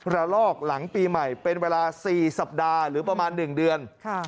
ละลอกหลังปีใหม่เป็นเวลา๔สัปดาห์หรือประมาณ๑เดือน